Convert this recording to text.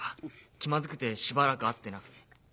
気まずくてしばらく会ってなくて。